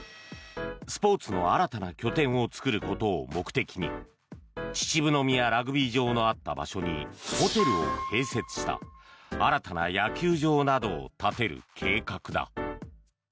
スポーツの新たな拠点を作ることを目的に秩父宮ラグビー場のあった場所にホテルを併設した新たな野球場などを建てる計画だ。